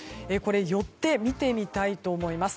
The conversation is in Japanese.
寄って見てみたいと思います。